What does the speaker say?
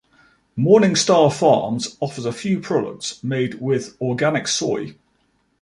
Morningstar Farms offers a few products made with organic soy.